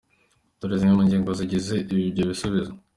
Dore zimwe mu ngingo zigize ibyo bisubizo :